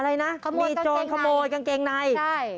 อะไรนะเขามีโจรขโมยกางเกงในใช่